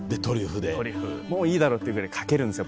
もういいだろっていうぐらいかけるんですよ